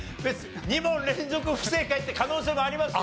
２問連続不正解って可能性もありますよ。